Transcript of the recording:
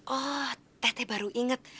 oh teh teh baru inget